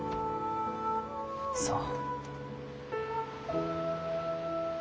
そう。